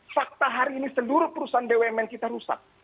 fakta hari ini seluruh perusahaan bumn kita rusak